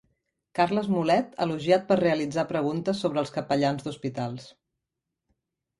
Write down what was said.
Carles Mulet elogiat per realitzar preguntes sobre els capellans d'hospitals